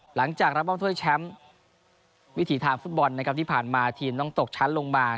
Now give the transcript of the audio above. หลังจากรับมอบถ้วยแชมป์วิถีทางฟุตบอลนะครับที่ผ่านมาทีมต้องตกชั้นลงมา